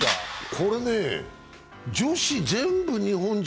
これね女子全部日本人。